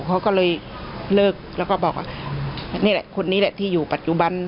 เขาก็เลยเลิกแล้วก็บอกว่านี่แหละคนนี้แหละที่อยู่ปัจจุบัน